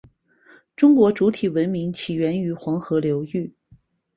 中国主体文明起源于黄河流域。